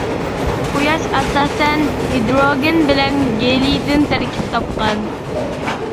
قۇياش ئاساسەن ھىدروگېن بىلەن گېلىيدىن تەركىب تاپقان.